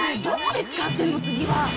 どこで使ってんの次は！